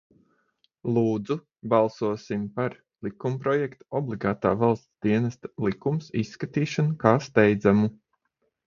"Lūdzu, balsosim par likumprojekta "Obligātā valsts dienesta likums" izskatīšanu kā steidzamu."